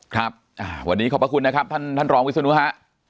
ครับวันนี้ขอบพระคุณนะครับท่านท่านรองวิศนุฮะ